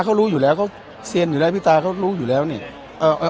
เขารู้อยู่แล้วเขาเซียนอยู่แล้วพี่ตาเขารู้อยู่แล้วนี่เอ่อเอ่อ